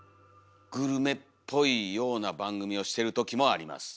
グルメっぽいような番組をしてる時もあります。